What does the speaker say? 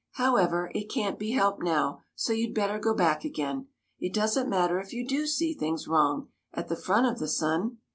However, it can't be helped now, so you 'd better go back again. It does n't matter if you do see things wrong — at the front of the sun."